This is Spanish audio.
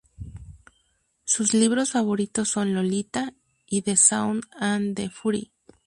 Sus libros favoritos son "Lolita" y "The Sound and the Fury".